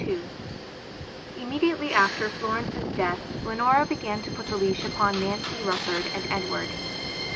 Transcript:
II IMMEDIATELY after Florence's death Leonora began to put the leash upon Nancy Rufford and Edward.